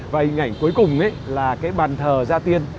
và hình ảnh cuối cùng là bàn thờ gia tiên